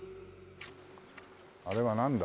あれはなんだ？